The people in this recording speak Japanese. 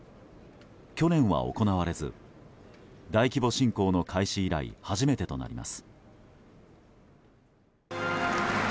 去年は行われず大規模侵攻の開始以来初めてとなります。